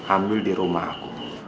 ambil di rumahku